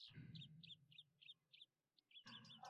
Uning ham eslasa eslagulik, shodlikka to`liq bolaligi bor